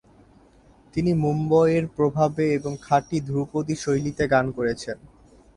তিনি মুম্বইয়ের প্রভাবে এবং খাঁটি ধ্রুপদী শৈলীতে গান করেছেন।